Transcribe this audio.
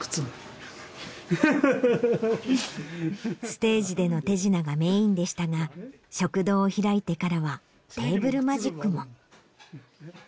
ステージでの手品がメインでしたが食堂を開いてからはテーブルマジックも。